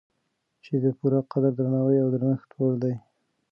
چې د پوره قدر، درناوي او درنښت وړ دی